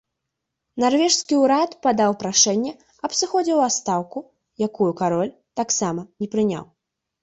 Нарвежскі ўрад падаў прашэнне аб сыходзе ў адстаўку, якую кароль таксама не прыняў.